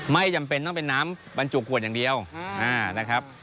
ไม่จำเป็นต้องเป็นน้ำบรรจุขวดอย่างเดียวนะครับ